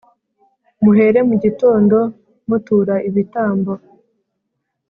Muhere mu gitondo mutura ibitambo,